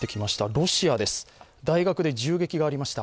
ロシアの大学で銃撃がありました。